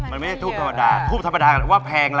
อันนี้ก็แม่งจะแพง